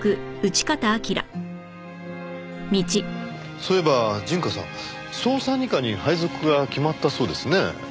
そういえば陣川さん捜査二課に配属が決まったそうですね。